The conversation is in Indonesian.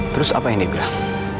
terus apa yang dia bilang